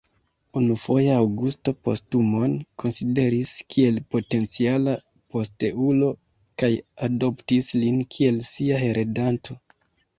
Unufoje Aŭgusto Postumon konsideris kiel potenciala posteulo kaj adoptis lin kiel sia heredanto.